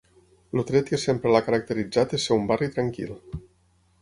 El tret que sempre l'ha caracteritzat és ser un barri tranquil.